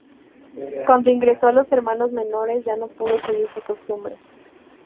Cuando ingresó a los Hermanos Menores, ya no pudo seguir su costumbre.